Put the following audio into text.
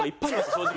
正直。